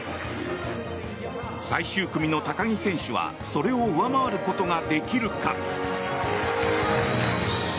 最終組の高木選手はそれを上回ることができるか。